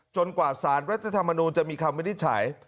กว่าสารรัฐธรรมนูลจะมีคำวินิจฉัย